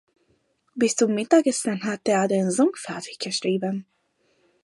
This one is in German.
Bis zum Mittagessen hatte er den Song fertig geschrieben.